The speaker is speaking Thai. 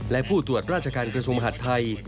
และผู้ตรวจราชการกระทรวงมหาดไทย